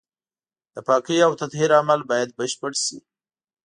د پاکۍ او تطهير عمل بايد بشپړ شي.